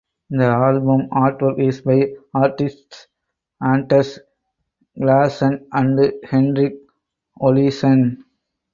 The album artwork is by artists Anders Clausen and Henrik Olesen.